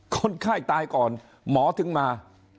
คนไข้ตายก่อนหมอถึงมา